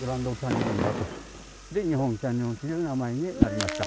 「日本キャニオン」という名前になりました。